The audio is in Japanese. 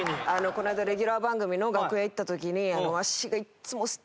この間レギュラー番組の楽屋行った時に。